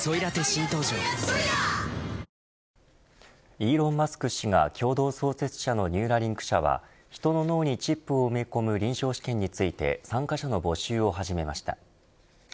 イーロン・マスク氏が共同創設者のニューラリンク社は人の脳にチップを埋め込む臨床試験について参加者の募集を始めました。